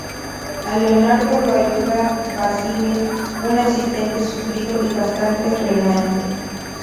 A Leonardo lo ayuda Basile, un asistente sufrido y bastante renuente.